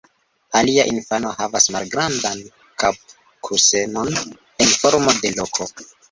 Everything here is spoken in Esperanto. Alia infano havas malgrandan kapkusenon en formo de koko.